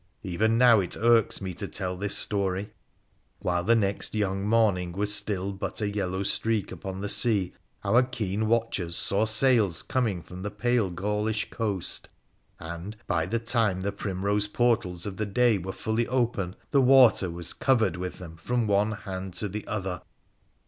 Even now it irks me to tell this story. While the next young morning was still but a yellow streak upon the sea, our keen watchers saw sails coming from the pale Gaulish coast, and, by the time the primrose portals of the day were fully open, the water was covered with them from one hand to the other.